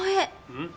うん？